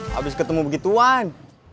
habis ketemu gituan